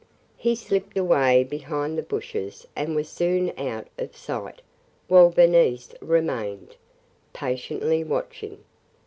He slipped away behind the bushes and was soon out of sight, while Bernice remained, patiently watching.